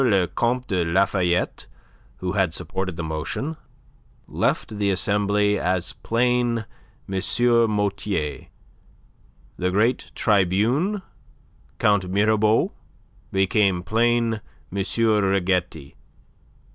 le Comte de Lafayette, who had supported the motion, left the Assembly as plain M. Motier, the great tribune Count Mirabeau became plain M. Riquetti, and M.